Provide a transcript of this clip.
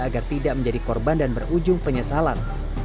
agar tidak menjadi korban dan berujung penyesalan